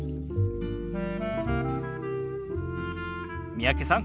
三宅さん